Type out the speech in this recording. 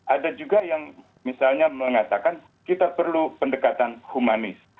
ada juga yang misalnya mengatakan kita perlu pendekatan humanis